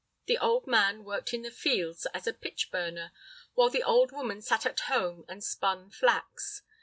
The old man worked in the fields as a pitch burner, while the old woman sat at home and spun flax.